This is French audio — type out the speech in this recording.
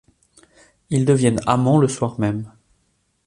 Ils deviennent amants le soir même.